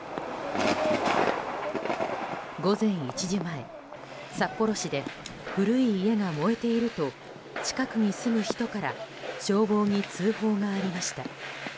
午前１時前、札幌市で古い家が燃えていると近くに住む人から消防に通報がありました。